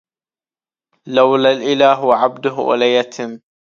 لولا الإله وعبده وليتم